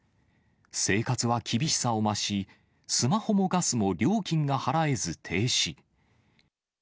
生活は厳しさを増し、スマホもガスも料金が払えず停止。